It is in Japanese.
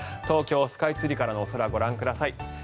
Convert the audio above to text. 東京スカイツリーからのお空ご覧ください。